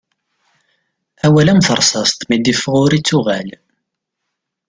Awal am terṣast mi d-iffeɣ ur ittuɣal.